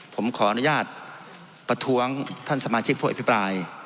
ผมขออนุญาตประท้วงท่านสมาชิกผู้อภิปราย